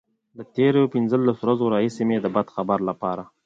له تېرو پنځلسو ورځو راهيسې مې د بد خبر لپاره.